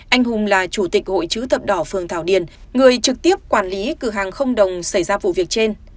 anh hùng là chủ tịch hội chữ thập đỏ phường thảo điền người trực tiếp quản lý cửa hàng không đồng xảy ra vụ việc trên